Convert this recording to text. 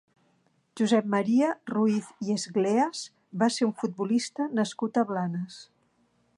Josep Maria Ruiz i Esgleas va ser un futbolista nascut a Blanes.